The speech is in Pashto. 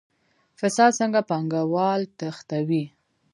فساد څنګه پانګوال تښتوي؟